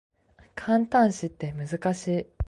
感嘆詞って難しい